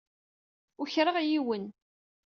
Ukreɣ yiwen.